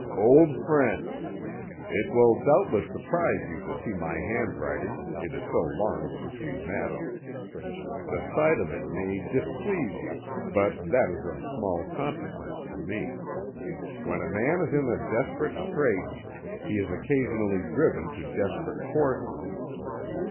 "Old Friend, "It will doubtless surprise you to see my handwriting, it is so long since we met. The sight of it may displease you, but that is of small consequence to me. When a man is in a desperate strait, he is occasionally driven to desperate courses.